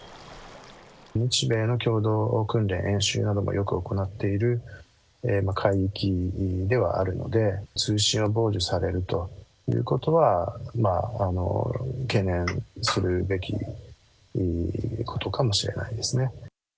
日米の共同訓練、演習などもよく行っている海域ではあるので、通信を傍受されるということは懸念するべきことかもしれないですね。